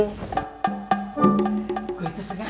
gua itu sengaja baik baikin dia